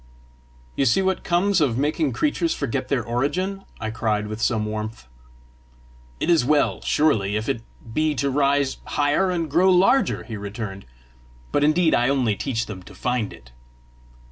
"You see what comes of making creatures forget their origin!" I cried with some warmth. "It is well, surely, if it be to rise higher and grow larger!" he returned. "But indeed I only teach them to find it!"